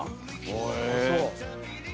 ああそう。